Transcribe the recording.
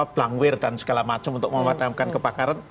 blangwir dan segala macam untuk memadamkan kebakaran